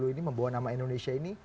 dua puluh ini membawa nama indonesia ini